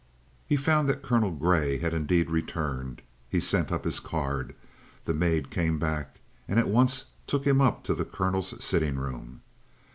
He found that Colonel Grey had indeed returned. He sent up his card; the maid came back and at once took him up to the Colonel's sitting room.